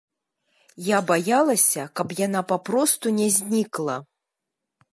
Я баялася, каб яна папросту не знікла.